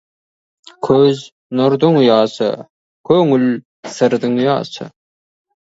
Көз — нұрдың ұясы, көңіл — сырдың ұясы.